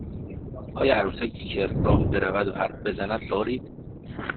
آیا عروسکی که راه برود و حرف بزند دارید؟